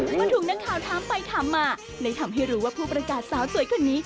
และทุ่งนักขาวท้ายไปทำเลยทำให้รู้ว่าผู้ประกาศสาวสวยขน